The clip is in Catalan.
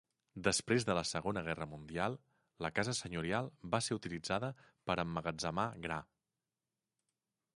Després de la Segona Guerra Mundial, la casa senyorial va ser utilitzada per emmagatzemar gra.